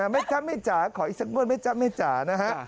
ไหมจ๊ะแม่จ๋าขออีกสักงวดไหมจ๊ะแม่จ๋านะฮะ